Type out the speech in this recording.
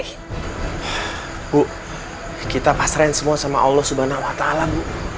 ibu kita pasrahin semua sama allah swt